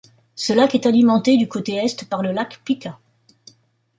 Ce lac est alimenté du côté Est par le Lac Pika.